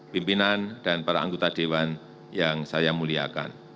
pimpinan dan para anggota dewan yang saya muliakan